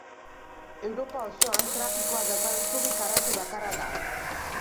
Europa osoan trafikoa daukan zubi karratu bakarra da.